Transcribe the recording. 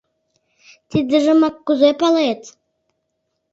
— Тидыжымак кузе палет?